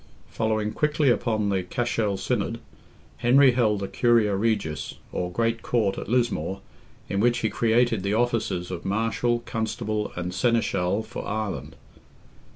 Following quickly upon the Cashel Synod, Henry held a "Curia Regis" or Great Court at Lismore, in which he created the offices of Marshal, Constable, and Seneschal for Ireland.